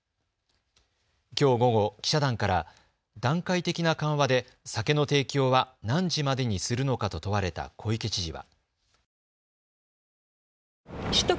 きょう午後、記者団から段階的な緩和で酒の提供は何時までにするのかと問われた小池知事は。